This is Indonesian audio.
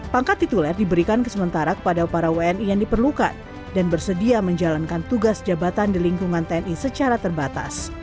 pangkat tituler diberikan sementara kepada para wni yang diperlukan dan bersedia menjalankan tugas jabatan di lingkungan tni secara terbatas